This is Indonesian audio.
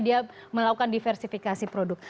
dia melakukan diversifikasi produk